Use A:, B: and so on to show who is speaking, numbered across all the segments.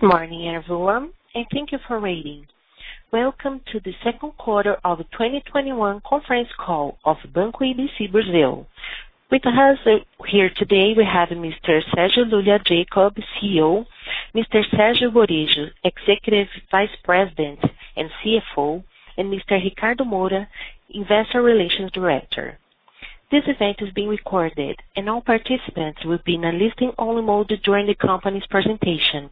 A: Good morning, everyone, and thank you for waiting. Welcome to the second quarter of the 2021 conference call of Banco ABC Brasil. With us here today, we have Mr. Sergio Lulia Jacob, CEO, Mr. Sergio Borejo, Executive Vice President and CFO, and Mr. Ricardo Moura, Investor Relations Director. This event is being recorded and all participants will be in a listening only mode during the company's presentation.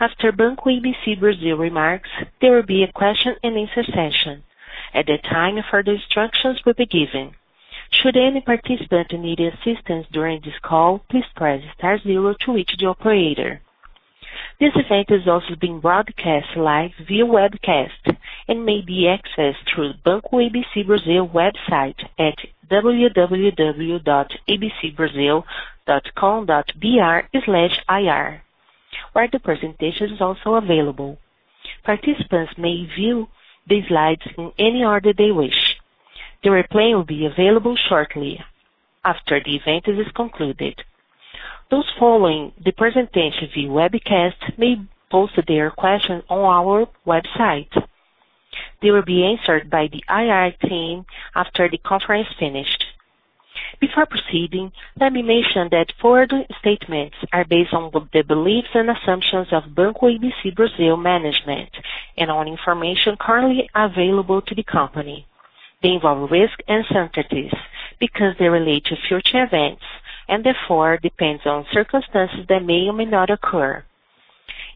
A: After Banco ABC Brasil remarks, there will be a question and answer session. At that time, further instructions will be given. Should any participant need assistance during this call, please press star zero to reach the operator. This event is also being broadcast live via webcast and may be accessed through Banco ABC Brasil website at www.abcbrasil.com.br/ir, where the presentation is also available. Participants may view the slides in any order they wish. The replay will be available shortly after the event is concluded. Those following the presentation via webcast may post their questions on our website. They will be answered by the IR team after the conference finished. Before proceeding, let me mention that forward statements are based on the beliefs and assumptions of Banco ABC Brasil management and on information currently available to the company. They involve risk uncertainties because they relate to future events and therefore depends on circumstances that may or may not occur.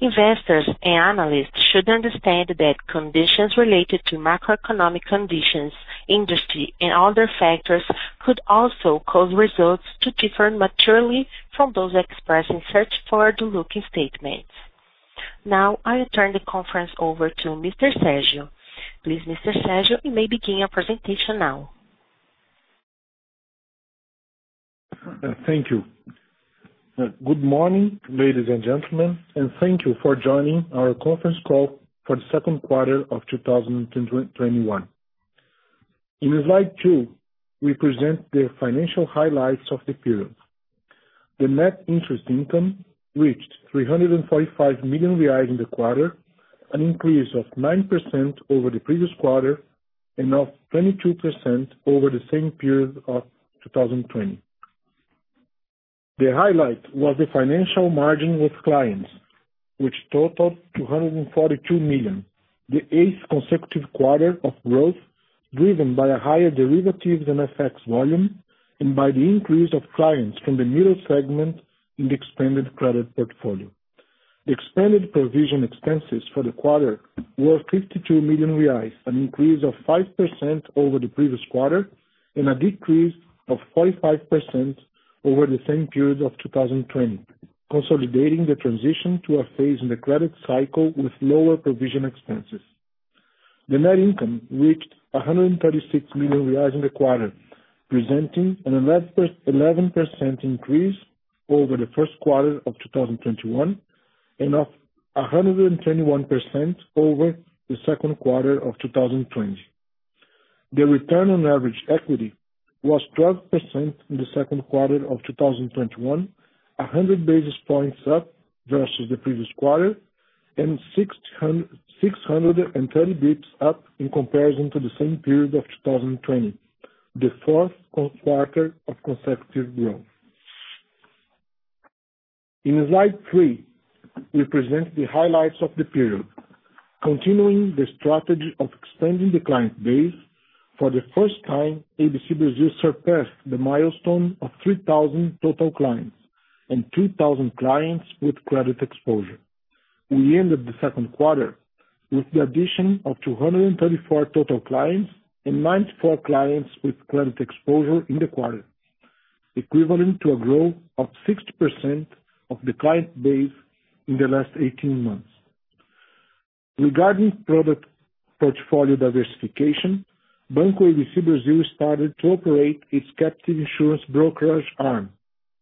A: Investors and analysts should understand that conditions related to macroeconomic conditions, industry, and other factors could also cause results to differ materially from those expressed in such forward-looking statements. Now I turn the conference over to Mr. Sergio. Please, Mr. Sergio, you may begin our presentation now.
B: Thank you. Good morning, ladies and gentlemen, and thank you for joining our conference call for the second quarter of 2021. In slide two, we present the financial highlights of the period. The net interest income reached 345 million reais in the quarter, an increase of 9% over the previous quarter and of 22% over the same period of 2020. The highlight was the financial margin with clients, which totaled 242 million, the eighth consecutive quarter of growth, driven by a higher derivatives and FX volume and by the increase of clients from the Middle segment in the expanded credit portfolio. Expanded provision expenses for the quarter were 52 million reais, an increase of 5% over the previous quarter and a decrease of 45% over the same period of 2020, consolidating the transition to a phase in the credit cycle with lower provision expenses. The net income reached BRL 136 million in the quarter, presenting an 11% increase over the first quarter of 2021 and of 121% over the second quarter of 2020. The return on average equity was 12% in the second quarter of 2021, 100 basis points up versus the previous quarter and 630 basis points up in comparison to the same period of 2020, the fourth quarter of consecutive growth. In slide three, we present the highlights of the period. Continuing the strategy of expanding the client base, for the first time, ABC Brasil surpassed the milestone of 3,000 total clients and 2,000 clients with credit exposure. We ended the second quarter with the addition of 234 total clients and 94 clients with credit exposure in the quarter, equivalent to a growth of 60% of the client base in the last 18 months. Regarding product portfolio diversification, Banco ABC Brasil started to operate its captive insurance brokerage arm,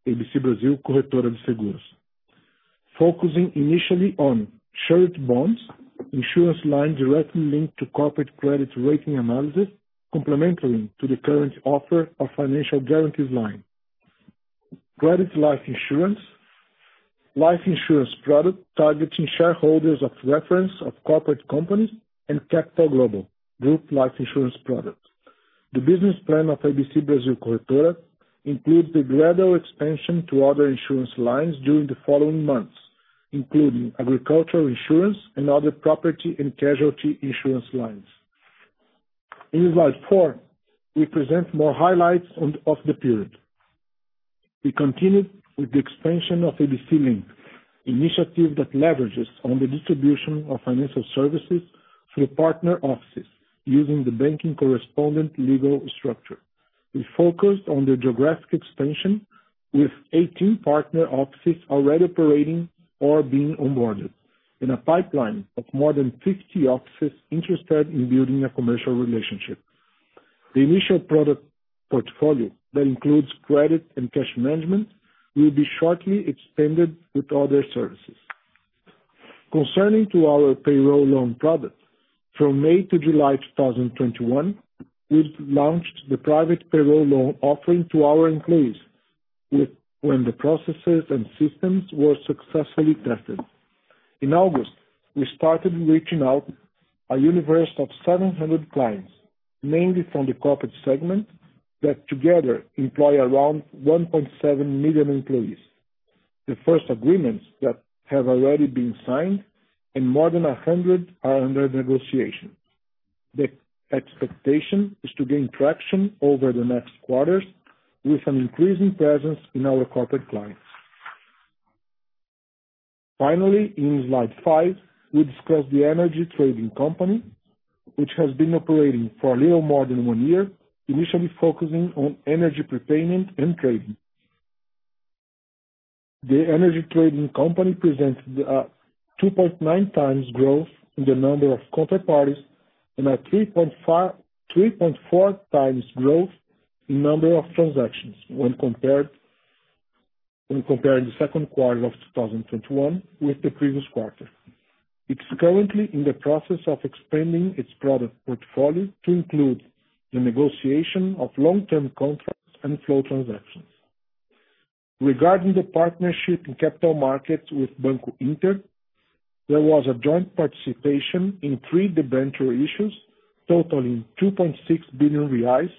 B: ABC Brasil Corretora de Seguros, focusing initially on surety bonds, insurance line directly linked to corporate credit rating analysis, complementing to the current offer of financial guarantees line. Credit life insurance, life insurance product targeting shareholders of reference of corporate companies, and Capital Global, group life insurance product. The business plan of ABC Brasil Corretora includes a gradual expansion to other insurance lines during the following months, including agricultural insurance and other property and casualty insurance lines. In slide four, we present more highlights of the period. We continued with the expansion of ABC Link, initiative that leverages on the distribution of financial services through partner offices using the banking correspondent legal structure. We focused on the geographic expansion with 18 partner offices already operating or being onboarded in a pipeline of more than 50 offices interested in building a commercial relationship. The initial product portfolio that includes credit and cash management will be shortly extended with other services. Concerning to our payroll loan product, from May to July 2021, we've launched the private payroll loan offering to our employees when the processes and systems were successfully tested. In August, we started reaching out a universe of 700 clients, mainly from the Corporate segment, that together employ around 1.7 million employees. The first agreements that have already been signed and more than 100 are under negotiation. The expectation is to gain traction over the next quarters with an increasing presence in our corporate clients. Finally, in slide five, we discuss the energy trading company, which has been operating for a little more than one year, initially focusing on energy prepayment and trading. The energy trading company presented a 2.9x growth in the number of counterparties and a 3.4x growth in number of transactions, when comparing the second quarter of 2021 with the previous quarter. It's currently in the process of expanding its product portfolio to include the negotiation of long-term contracts and flow transactions. Regarding the partnership in capital markets with Banco Inter, there was a joint participation in 3 debenture issues totaling 2.6 billion reais,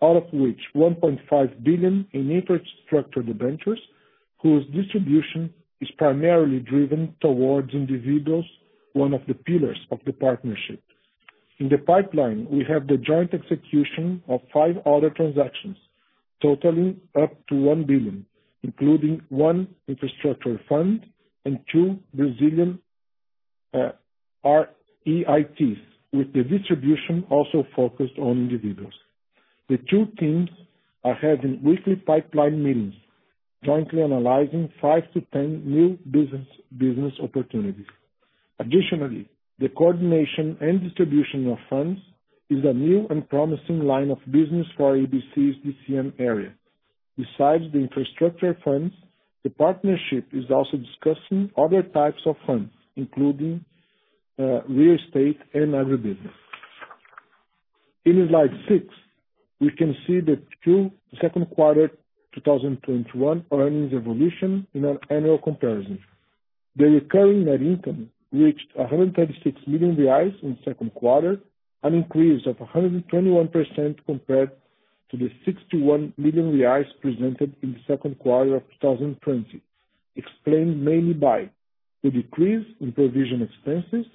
B: all of which 1.5 billion in infrastructure debentures, whose distribution is primarily driven towards individuals, one of the pillars of the partnership. In the pipeline, we have the joint execution of five other transactions totaling up to 1 billion, including one infrastructure fund and two Brazilian REITs, with the distribution also focused on individuals. The two teams are having weekly pipeline meetings, jointly analyzing 5-10 new business opportunities. The coordination and distribution of funds is a new and promising line of business for ABC's DCM area. Besides the infrastructure funds, the partnership is also discussing other types of funds, including real estate and agribusiness. In slide six, we can see the two second quarter 2021 earnings evolution in an annual comparison. The recurring net income reached 136 million reais in the second quarter, an increase of 121% compared to the 61 million reais presented in the second quarter of 2020. Explained mainly by the decrease in provision expenses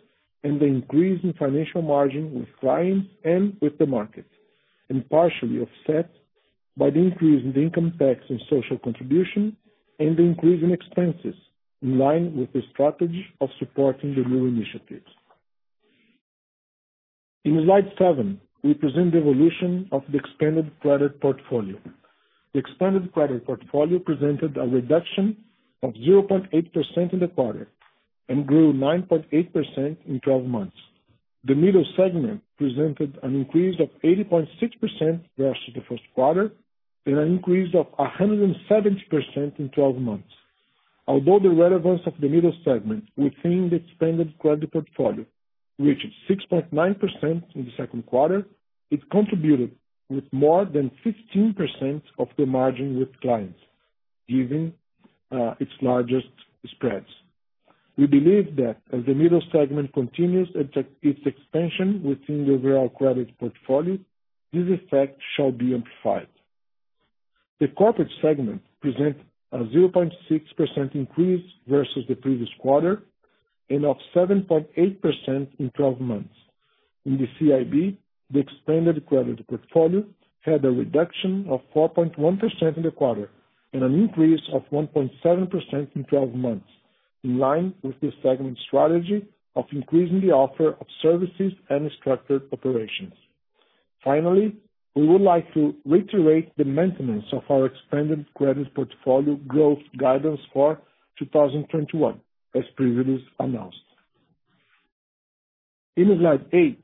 B: and the increase in financial margin with clients and with the market, partially offset by the increase in the income tax and social contribution and the increase in expenses in line with the strategy of supporting the new initiatives. In slide seven, we present the evolution of the expanded credit portfolio. The expanded credit portfolio presented a reduction of 0.8% in the quarter and grew 9.8% in 12 months. The Middle segment presented an increase of 80.6% versus the first quarter and an increase of 170% in 12 months. Although the relevance of the Middle segment within the expanded credit portfolio reached 6.9% in the second quarter, it contributed with more than 15% of the margin with clients, given its largest spreads. We believe that as the Middle segment continues its expansion within the overall credit portfolio, this effect shall be amplified. The Corporate segment presents a 0.6% increase versus the previous quarter and of 7.8% in 12 months. In the CIB, the expanded credit portfolio had a reduction of 4.1% in the quarter and an increase of 1.7% in 12 months, in line with the segment's strategy of increasing the offer of services and structured operations. Finally, we would like to reiterate the maintenance of our expanded credit portfolio growth guidance for 2021, as previously announced. In slide eight,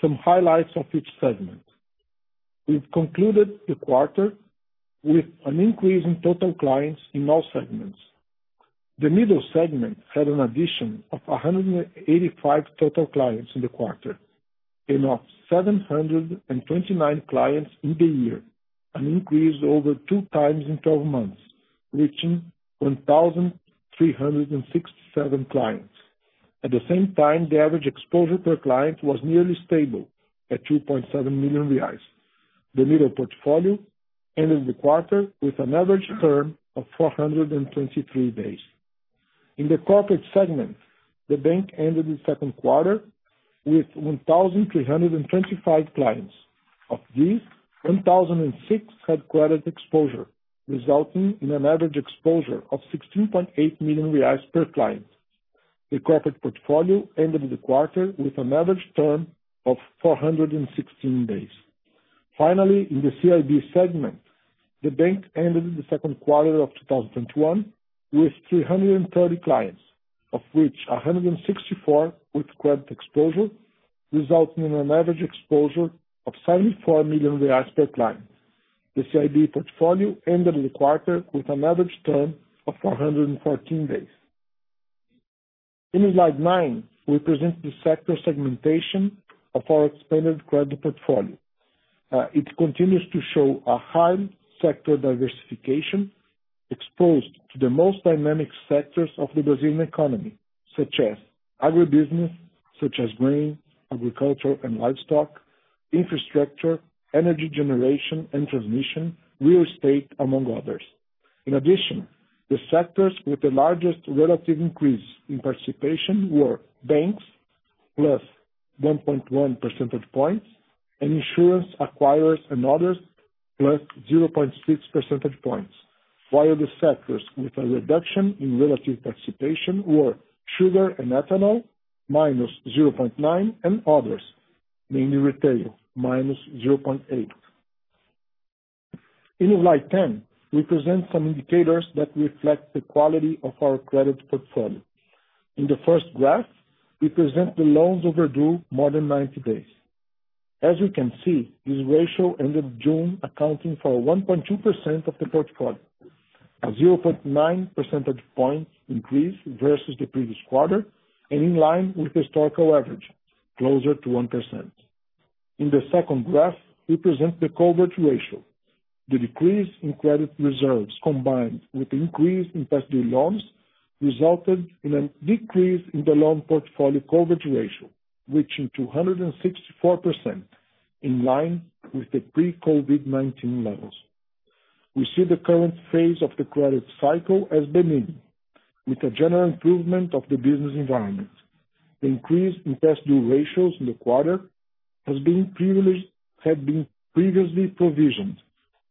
B: some highlights of each segment. We've concluded the quarter with an increase in total clients in all segments. The Middle segment had an addition of 185 total clients in the quarter and of 729 clients in the year, an increase over 2x in 12 months, reaching 1,367 clients. At the same time, the average exposure per client was nearly stable at 2.7 million reais. The Middle portfolio ended the quarter with an average term of 423 days. In the Corporate segment, the bank ended the second quarter with 1,325 clients. Of these, 1,006 had credit exposure, resulting in an average exposure of 16.8 million reais per client. The Corporate portfolio ended the quarter with an average term of 416 days. Finally, in the CIB segment, the bank ended the second quarter of 2021 with 330 clients, of which 164 with credit exposure, resulting in an average exposure of 74 million reais per client. The CIB portfolio ended the quarter with an average term of 414 days. In slide nine, we present the sector segmentation of our expanded credit portfolio. It continues to show a high sector diversification exposed to the most dynamic sectors of the Brazilian economy, such as agribusiness, such as grain, agriculture and livestock, infrastructure, energy generation and transmission, real estate, among others. In addition, the sectors with the largest relative increase in participation were banks +1.1 percentage points, and insurance acquirers and others +0.6 percentage points. While the sectors with a reduction in relative participation were sugar and ethanol -0.9, and others, mainly retail, -0.8. In slide 10, we present some indicators that reflect the quality of our credit portfolio. In the first graph, we present the loans overdue more than 90 days. As you can see, this ratio ended June accounting for 1.2% of the portfolio. A 0.9 percentage points increase versus the previous quarter, and in line with historical average, closer to 1%. In the second graph, we present the coverage ratio. The decrease in credit reserves, combined with the increase in past due loans, resulted in a decrease in the loan portfolio coverage ratio, reaching 264%, in line with the pre-COVID-19 levels. We see the current phase of the credit cycle as benign, with a general improvement of the business environment. The increase in past due ratios in the quarter had been previously provisioned,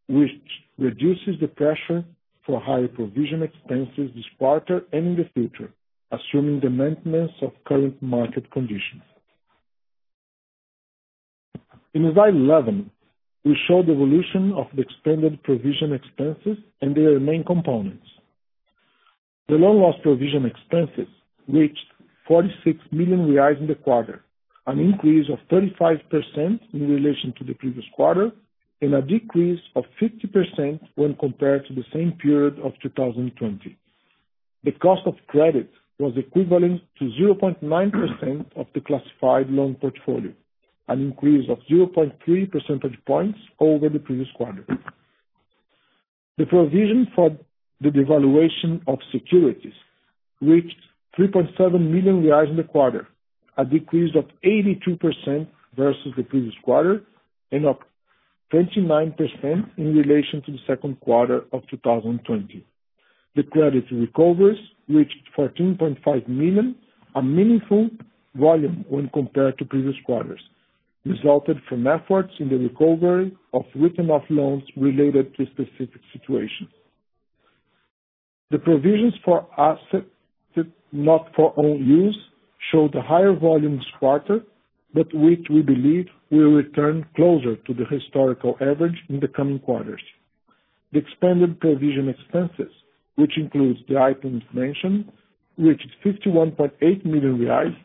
B: which reduces the pressure for higher provision expenses this quarter and in the future, assuming the maintenance of current market conditions. In slide 11, we show the evolution of the expanded provision expenses and their main components. The loan loss provision expenses reached 46 million reais in the quarter, an increase of 35% in relation to the previous quarter, and a decrease of 50% when compared to the same period of 2020. The cost of credit was equivalent to 0.9% of the classified loan portfolio, an increase of 0.3 percentage points over the previous quarter. The provision for the devaluation of securities reached 3.7 million reais in the quarter, a decrease of 82% versus the previous quarter, and up 29% in relation to the second quarter of 2020. The credit recoveries reached 14.5 million, a meaningful volume when compared to previous quarters, resulted from efforts in the recovery of written-off loans related to specific situations. The provisions for assets not for own use, show the higher volume this quarter, but which we believe will return closer to the historical average in the coming quarters. The expanded provision expenses, which includes the items mentioned, reached 51.8 million reais,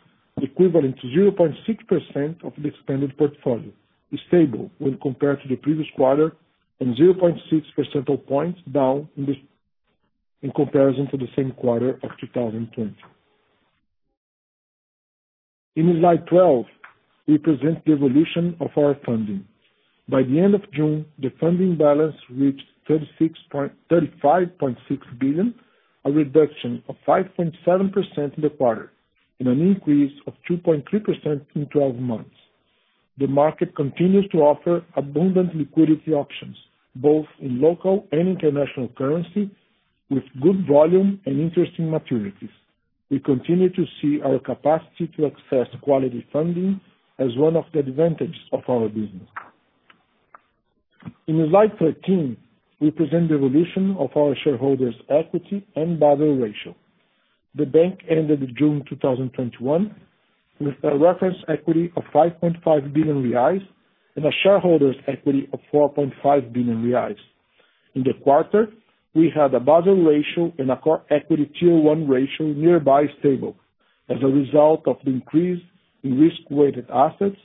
B: equivalent to 0.6% of the expanded portfolio, is stable when compared to the previous quarter and 0.6 percentage points down in comparison to the same quarter of 2020. In slide 12, we present the evolution of our funding. By the end of June, the funding balance reached 35.6 billion, a reduction of 5.7% in the quarter and an increase of 2.3% in 12 months. The market continues to offer abundant liquidity options, both in local and international currency, with good volume and interesting maturities. We continue to see our capacity to access quality funding as one of the advantages of our business. In slide 13, we present the evolution of our shareholders' equity and Basel ratio. The bank ended June 2021 with a reference equity of 5.5 billion reais and a shareholders' equity of 4.5 billion reais. In the quarter, we had a Basel ratio and a core equity Tier 1 ratio nearby stable as a result of the increase in risk-weighted assets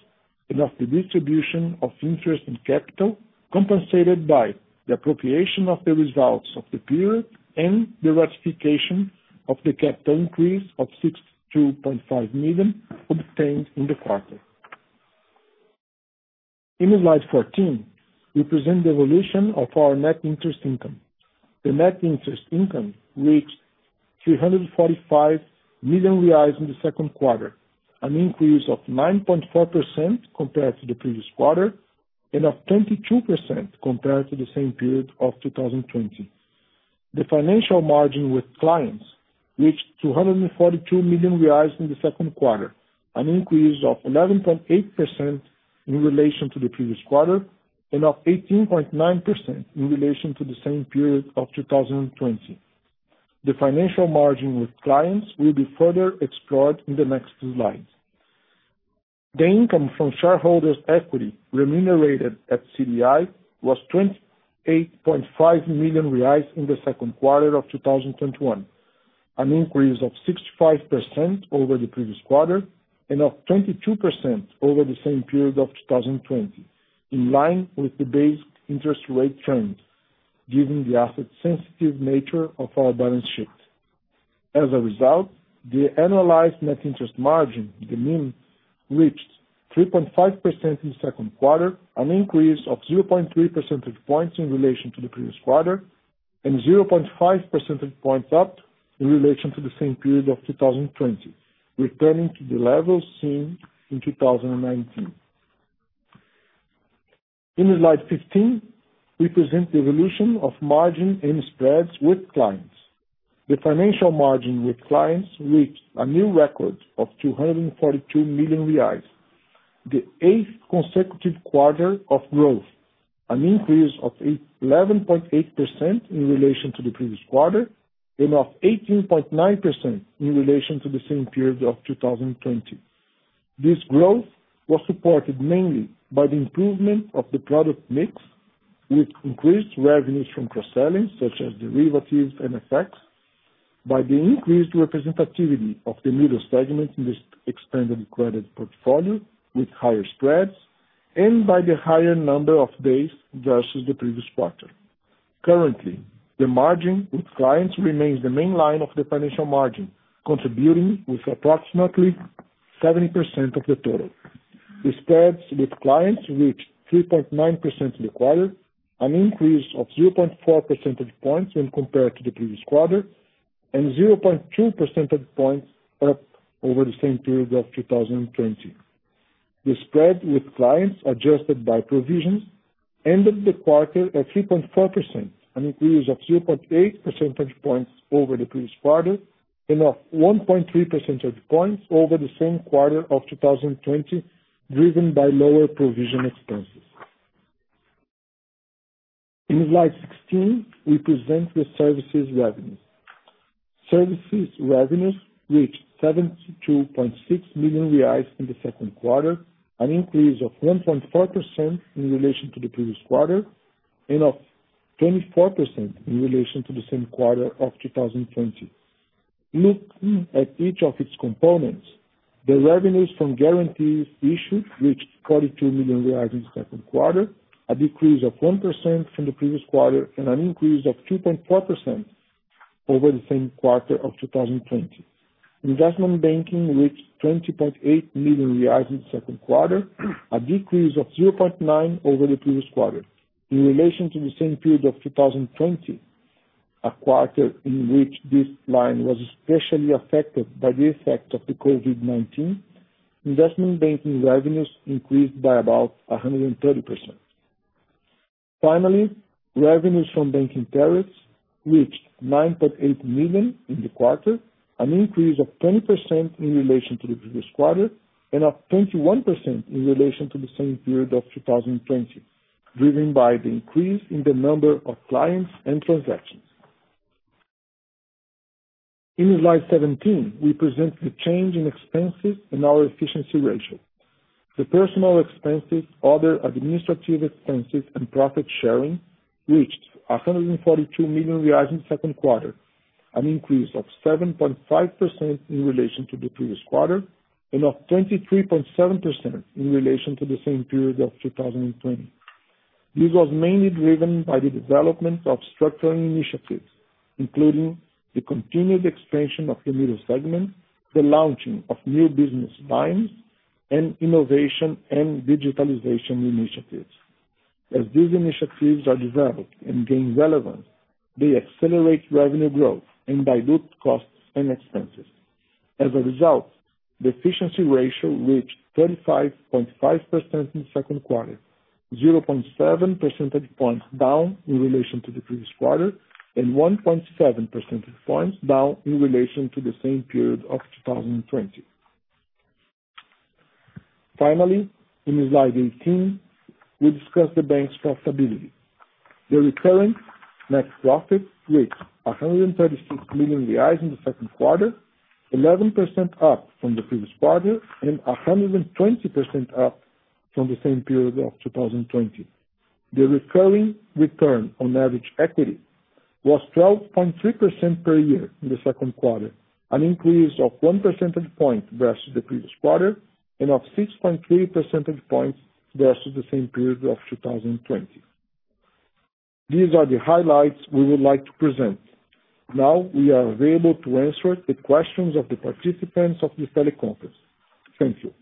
B: and of the distribution of interest and capital, compensated by the appropriation of the results of the period and the ratification of the capital increase of 62.5 million obtained in the quarter. In slide 14, we present the evolution of our net interest income. The net interest income reached 345 million reais in the second quarter, an increase of 9.4% compared to the previous quarter, and of 22% compared to the same period of 2020. The financial margin with clients reached 242 million reais in the second quarter, an increase of 11.8% in relation to the previous quarter, and of 18.9% in relation to the same period of 2020. The financial margin with clients will be further explored in the next slides. The income from shareholders' equity remunerated at CDI was 28.5 million reais in the second quarter of 2021, an increase of 65% over the previous quarter and of 22% over the same period of 2020, in line with the base interest rate trend. Given the asset sensitive nature of our balance sheets. As a result, the analyzed net interest margin, the NIM, reached 3.5% in Q2, an increase of 0.3 percentage points in relation to the previous quarter, and 0.5 percentage points up in relation to the same period of 2020, returning to the levels seen in 2019. In slide 15, we present the evolution of margin and spreads with clients. The financial margin with clients reached a new record of 242 million reais. The eighth consecutive quarter of growth, an increase of 11.8% in relation to the previous quarter, and of 18.9% in relation to the same period of 2020. This growth was supported mainly by the improvement of the product mix, with increased revenues from cross-selling, such as derivatives and FX, by the increased representativity of the Middle segment in this expanded credit portfolio with higher spreads, and by the higher number of days versus the previous quarter. Currently, the margin with clients remains the main line of the financial margin, contributing with approximately 70% of the total. The spreads with clients reached 3.9% in the quarter, an increase of 0.4 percentage points when compared to the previous quarter, and 0.2 percentage points up over the same period of 2020. The spread with clients adjusted by provisions ended the quarter at 3.4%, an increase of 0.8 percentage points over the previous quarter, and of 1.3 percentage points over the same quarter of 2020, driven by lower provision expenses. In slide 16, we present the services revenues. Services revenues reached 72.6 million reais in Q2, an increase of 1.4% in relation to the previous quarter, and of 24% in relation to the same quarter of 2020. Looking at each of its components, the revenues from guarantees issued reached 42 million reais in Q2, a decrease of 1% from the previous quarter and an increase of 2.4% over the same quarter of 2020. Investment banking reached 20.8 million reais in Q2, a decrease of 0.9% over the previous quarter. In relation to the same period of 2020, a quarter in which this line was especially affected by the effect of the COVID-19, investment banking revenues increased by about 130%. Revenues from banking tariffs reached 9.8 million in the quarter, an increase of 20% in relation to the previous quarter, and of 21% in relation to the same period of 2020, driven by the increase in the number of clients and transactions. In slide 17, we present the change in expenses and our efficiency ratio. The personnel expenses, other administrative expenses, and profit sharing reached 142 million reais in Q2, an increase of 7.5% in relation to the previous quarter, and of 23.7% in relation to the same period of 2020. This was mainly driven by the development of structuring initiatives, including the continued expansion of the Middle segment, the launching of new business lines, and innovation and digitalization initiatives. As these initiatives are developed and gain relevance, they accelerate revenue growth and dilute costs and expenses. As a result, the efficiency ratio reached 35.5% in Q2, 0.7 percentage points down in relation to the previous quarter, and 1.7 percentage points down in relation to the same period of 2020. Finally, in slide 18, we discuss the bank's profitability. The recurring net profit reached 136 million reais in Q2, 11% up from the previous quarter, and 120% up from the same period of 2020. The recurring return on average equity was 12.3% per year in Q2, an increase of 1 percentage point versus the previous quarter, and of 6.3 percentage points versus the same period of 2020. These are the highlights we would like to present. Now, we are available to answer the questions of the participants of this teleconference. Thank you.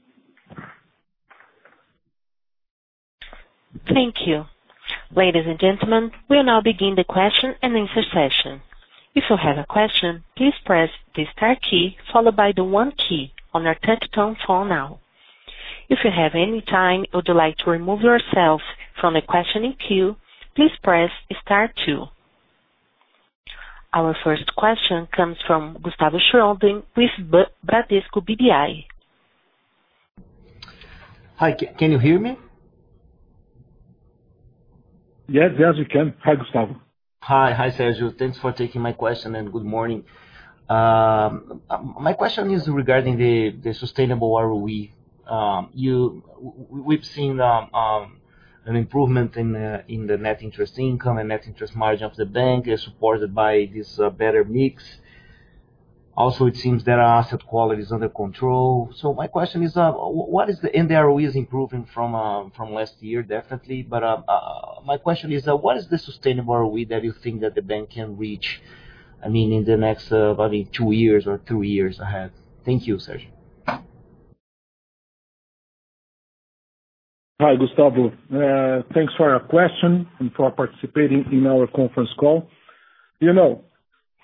A: Our first question comes from Gustavo Schroden with Bradesco BBI.
C: Hi, can you hear me?
B: Yes, we can. Hi, Gustavo.
C: Hi, Sergio. Thanks for taking my question, and good morning. My question is regarding the sustainable ROE. We've seen an improvement in the net interest income and net interest margin of the bank as supported by this better mix. Also, it seems their asset quality is under control. My question is, and the ROE is improving from last year definitely, but my question is, what is the sustainable ROE that you think that the bank can reach in the next, probably two years or three years ahead? Thank you, Sergio.
B: Hi, Gustavo. Thanks for your question and for participating in our conference call.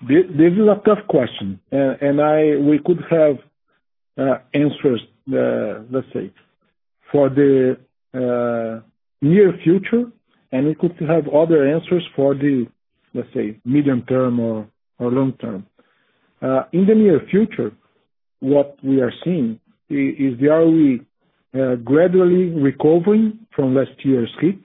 B: This is a tough question, and we could have answers, let's say, for the near future, and we could have other answers for the medium term or long term. In the near future, what we are seeing is the ROE gradually recovering from last year's hit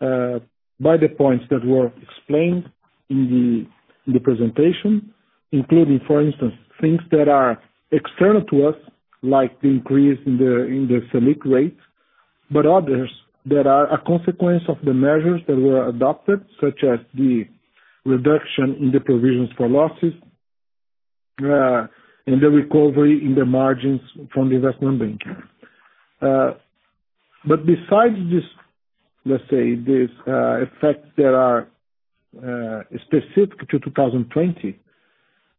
B: by the points that were explained in the presentation, including, for instance, things that are external to us, like the increase in the Selic rate. Others that are a consequence of the measures that were adopted, such as the reduction in the provisions for losses, and the recovery in the margins from the investment banking. Besides, let's say, these effects that are specific to 2020,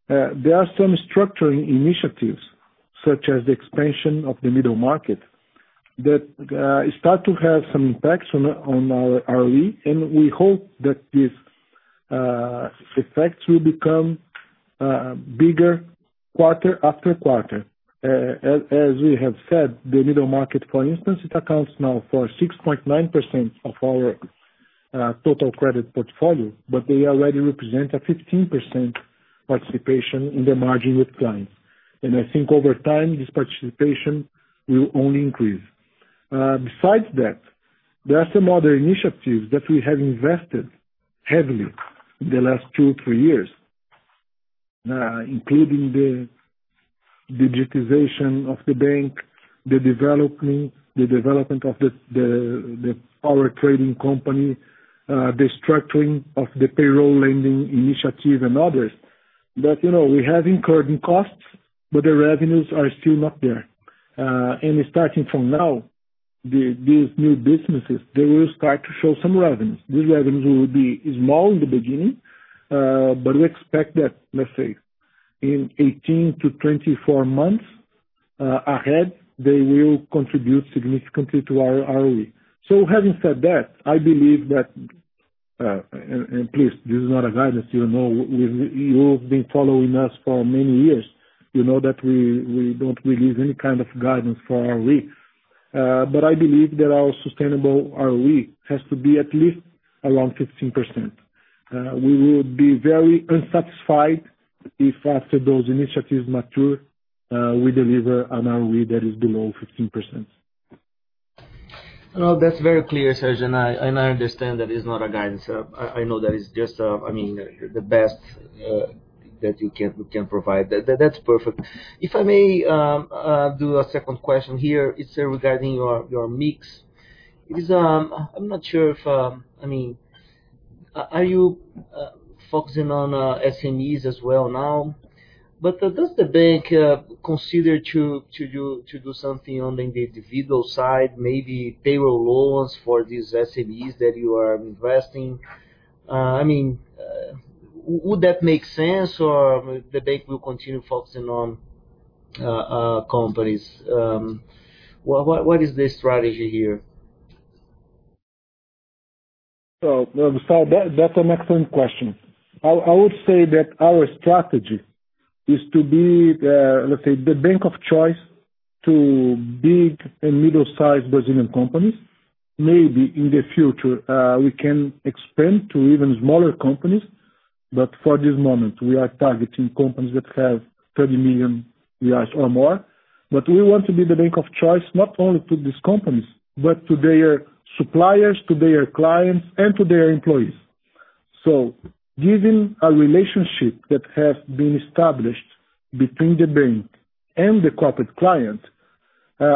B: there are some structural initiatives, such as the expansion of the middle market, that start to have some impacts on our ROE, and we hope that these effects will become bigger quarter after quarter. As we have said, the middle market, for instance, it accounts now for 6.9% of our total credit portfolio, but they already represent a 15% participation in the margin with clients. I think over time, this participation will only increase. Besides that, there are some other initiatives that we have invested heavily in the last two, three years, including the digitization of the bank, the development of our trading company, the structuring of the payroll lending initiative, and others. We have incurred in costs, but the revenues are still not there. Starting from now, these new businesses, they will start to show some revenues. These revenues will be small in the beginning, but we expect that, let's say, in 18 to 24 months ahead, they will contribute significantly to our ROE. Having said that, I believe that, and please, this is not a guidance. You've been following us for many years. You know that we don't release any kind of guidance for ROE. I believe that our sustainable ROE has to be at least around 15%. We will be very unsatisfied if after those initiatives mature, we deliver an ROE that is below 15%.
C: No, that's very clear, Sergio. I understand that it's not a guidance. I know that is just the best that you can provide. That's perfect. If I may do a second question here. It's regarding your mix. Are you focusing on SMEs as well now? Does the bank consider to do something on the individual side, maybe payroll loans for these SMEs that you are investing? Would that make sense, or the bank will continue focusing on companies? What is the strategy here?
B: Gustavo, that's an excellent question. I would say that our strategy is to be the bank of choice to big and middle-sized Brazilian companies. Maybe in the future, we can expand to even smaller companies. For this moment, we are targeting companies that have 30 million or more. We want to be the bank of choice, not only to these companies, but to their suppliers, to their clients, and to their employees. Given a relationship that has been established between the bank and the corporate client,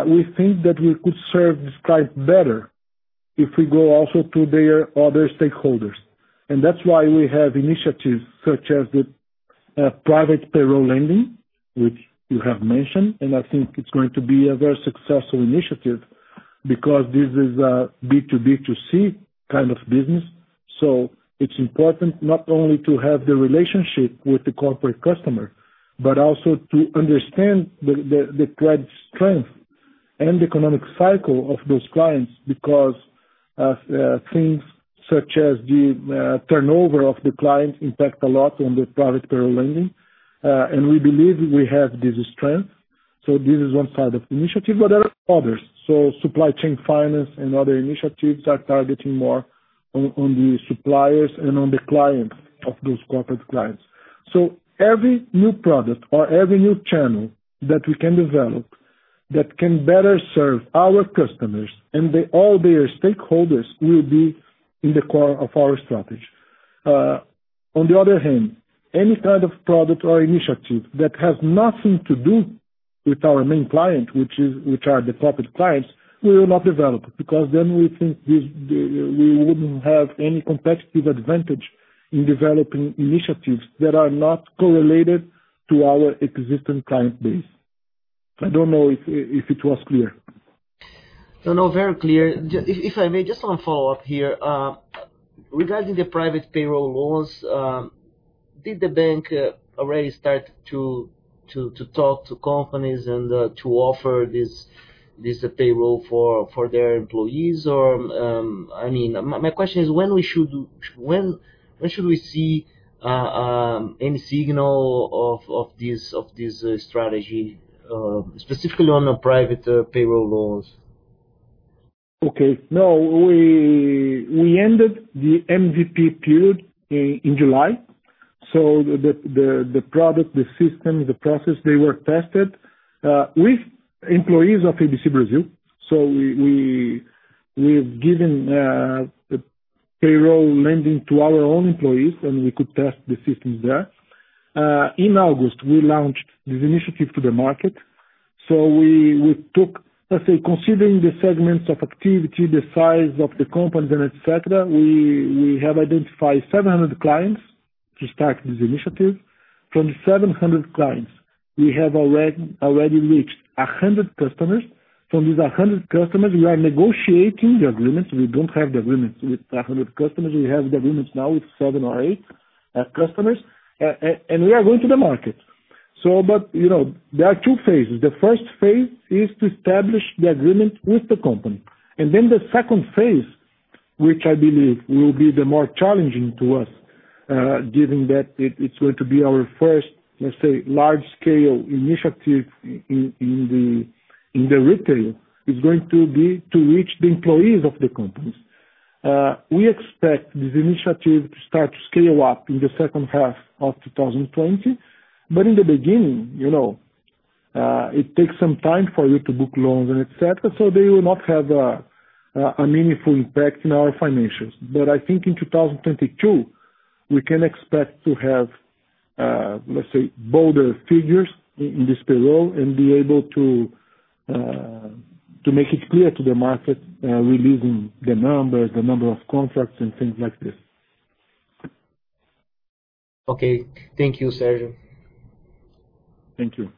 B: we think that we could serve these clients better if we go also to their other stakeholders. That's why we have initiatives such as the private payroll lending, which you have mentioned, and I think it's going to be a very successful initiative because this is a B2B2C kind of business. It's important not only to have the relationship with the corporate customer, but also to understand the credit strength and economic cycle of those clients because things such as the turnover of the client impact a lot on the private payroll lending. We believe we have this strength. This is one side of the initiative, but there are others. Supply chain finance and other initiatives are targeting more on the suppliers and on the clients of those corporate clients. Every new product or every new channel that we can develop that can better serve our customers and all their stakeholders will be in the core of our strategy. On the other hand, any kind of product or initiative that has nothing to do with our main client, which are the corporate clients, we will not develop it, because then we think we wouldn't have any competitive advantage in developing initiatives that are not correlated to our existing client base. I don't know if it was clear.
C: No, very clear. If I may, just one follow-up here. Regarding the private payroll loans, did the bank already start to talk to companies and to offer this payroll for their employees? My question is, when should we see any signal of this strategy, specifically on the private payroll loans?
B: Okay. No, we ended the MVP period in July. The product, the system, the process, they were tested with employees of ABC Brasil. We've given payroll lending to our own employees, and we could test the systems there. In August, we launched this initiative to the market. Let's say, considering the segments of activity, the size of the company, et cetera, we have identified 700 clients to start this initiative. From the 700 clients, we have already reached 100 customers. From these 100 customers, we are negotiating the agreements. We don't have the agreements with 100 customers. We have the agreements now with seven or eight customers, and we are going to the market. There are two phases. The first phase is to establish the agreement with the company. The second phase, which I believe will be the more challenging to us, given that it's going to be our first, let's say, large-scale initiative in the retail, is going to be to reach the employees of the companies. We expect this initiative to start to scale up in the second half of 2020. In the beginning, it takes some time for you to book loans and et cetera, so they will not have a meaningful impact in our financials. I think in 2022, we can expect to have bolder figures in this payroll and be able to make it clear to the market, releasing the numbers, the number of contracts and things like this.
C: Okay. Thank you, Sergio.
B: Thank you.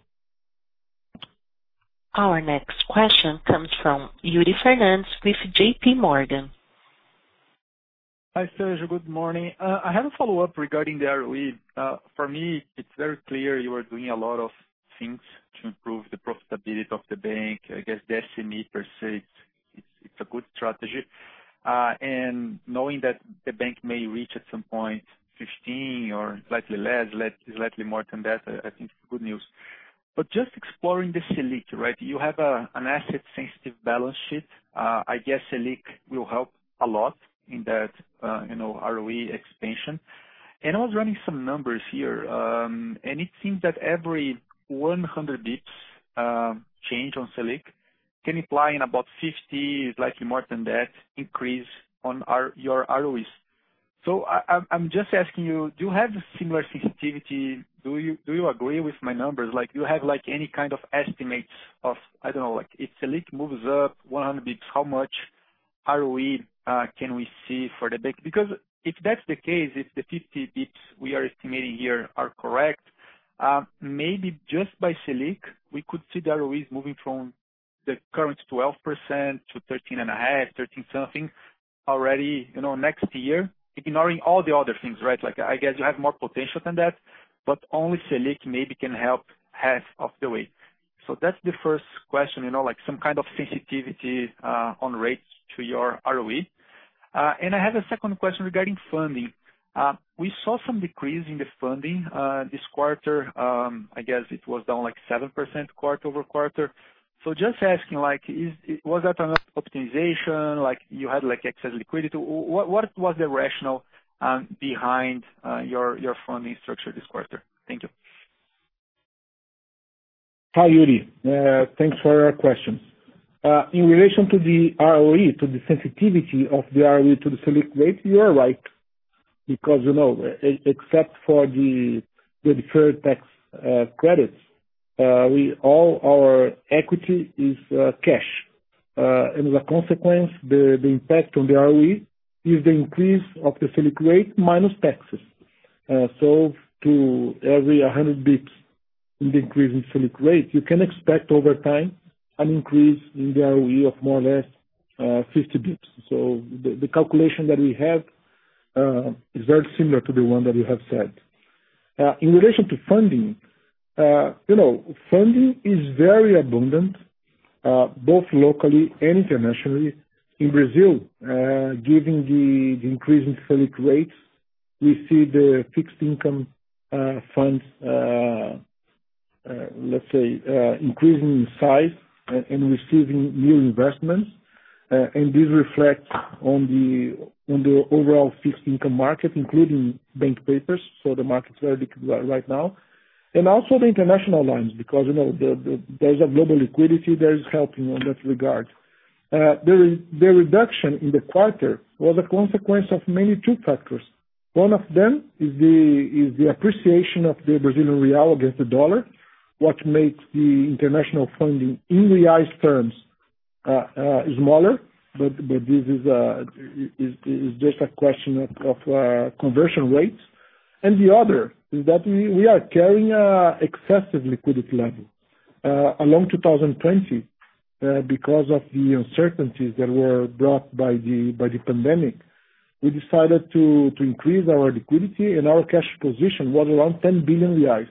A: Our next question comes from Yuri Fernandes with JPMorgan.
D: Hi, Sergio. Good morning. I have a follow-up regarding the ROE. For me, it's very clear you are doing a lot of things to improve the profitability of the bank. I guess, the SME per se, it's a good strategy. Knowing that the bank may reach at some point 15 or slightly less, slightly more than that, I think it's good news. Just exploring the Selic. You have an asset-sensitive balance sheet. I guess Selic will help a lot in that ROE expansion. I was running some numbers here, and it seems that every 100 basis points change on Selic can imply in about 50, slightly more than that, increase on your ROEs. I'm just asking you, do you have a similar sensitivity? Do you agree with my numbers? Do you have any kind of estimates of, I don't know, if Selic moves up 100 basis points, how much ROE can we see for the bank? If that's the case, if the 50 basis points we are estimating here are correct, maybe just by Selic, we could see the ROEs moving from the current 12% to 13.5%, 13 something already next year, ignoring all the other things. I guess you have more potential than that, only Selic maybe can help half of the way. That's the first question, some kind of sensitivity on rates to your ROE. I have a second question regarding funding. We saw some decrease in the funding this quarter. I guess it was down 7% quarter-over-quarter. Just asking, was that an optimization? You had excess liquidity. What was the rationale behind your funding structure this quarter? Thank you.
B: Hi, Yuri. Thanks for your questions. In relation to the ROE, to the sensitivity of the ROE to the Selic rate, you are right. Because except for the deferred tax credits, all our equity is cash. As a consequence, the impact on the ROE is the increase of the Selic rate minus taxes. To every 100 basis points in the increase in Selic rate, you can expect over time an increase in the ROE of more or less 50 basis points. The calculation that we have is very similar to the one that you have said. In relation to funding is very abundant, both locally and internationally in Brazil. Given the increase in Selic rates, we see the fixed income funds increasing in size and receiving new investments. This reflects on the overall fixed income market, including bank papers. The market is very liquid right now. Also the international lines, because there's a global liquidity that is helping in that regard. The reduction in the quarter was a consequence of mainly two factors. One of them is the appreciation of the Brazilian real against the USD, what makes the international funding in BRL terms smaller, this is just a question of conversion rates. The other is that we are carrying excessive liquidity level. Along 2020, because of the uncertainties that were brought by the pandemic, we decided to increase our liquidity, our cash position was around 10 billion reais,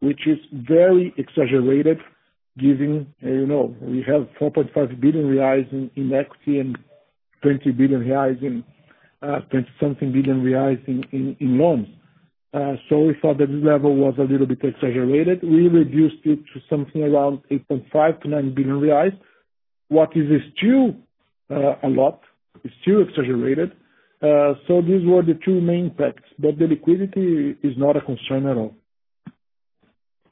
B: which is very exaggerated given, we have 4.5 billion reais in equity and 20 something billion in loans. We thought that this level was a little bit exaggerated. We reduced it to something around 8.5 billion-9 billion reais. What is still a lot, is still exaggerated. These were the two main facts. The liquidity is not a concern at all.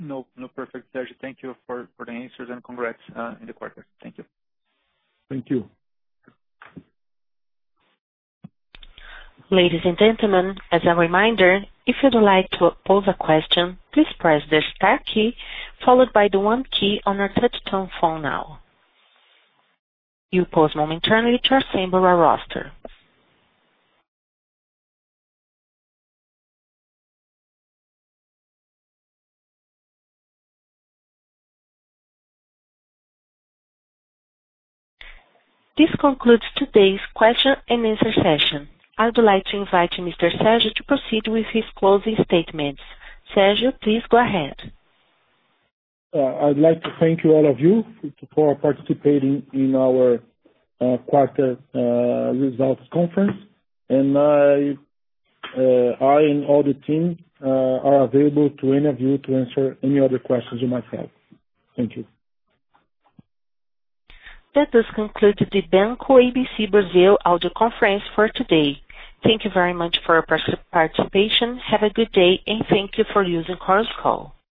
D: No. Perfect, Sergio. Thank you for the answers and congrats in the quarter. Thank you.
B: Thank you.
A: This concludes today's question and answer session. I'd like to invite Mr. Sergio to proceed with his closing statements. Sergio, please go ahead.
B: I'd like to thank all of you for participating in our quarter results conference. I and all the team are available to any of you to answer any other questions you might have. Thank you.
A: That does conclude the Banco ABC Brasil audio conference for today. Thank you very much for your participation. Have a good day, and thank you for using Chorus Call.